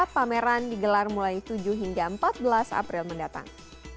pameran digelar mulai tujuh hingga empat belas april mendatang